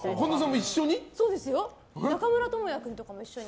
中村倫也君とかも一緒に。